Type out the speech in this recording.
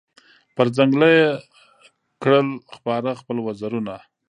پر ځنګله یې کړل خپاره خپل وزرونه